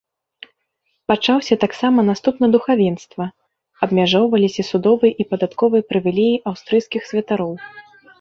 Пачаўся таксама наступ на духавенства, абмяжоўваліся судовыя і падатковыя прывілеі аўстрыйскіх святароў.